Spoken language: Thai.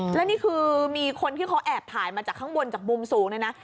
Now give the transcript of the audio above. แล้วนี่คือมีคนที่เขาแอบถ่ายมาจากข้างบนจากมุมสูงเลยนะ